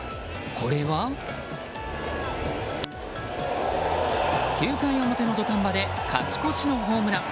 これは９回表の土壇場で勝ち越しのホームラン。